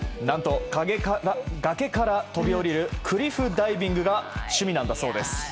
なんと崖から飛び降りるクリフダイビングが趣味なんだそうです。